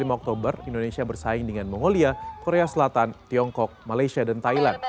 lima oktober indonesia bersaing dengan mongolia korea selatan tiongkok malaysia dan thailand